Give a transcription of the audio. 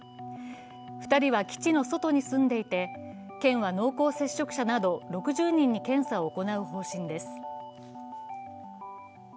２人は基地の外に住んでいて県は濃厚接触者など６０人に検査を行う方針です。